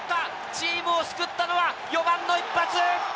チームを救ったのは、４番の一発！